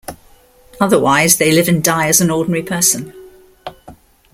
Otherwise, they live and die as an ordinary person.